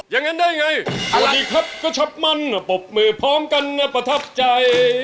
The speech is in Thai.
อย่างนั้นได้ไงสวัสดีครับก็ชับมั่นปรบมือพร้อมกันนะประทับใจ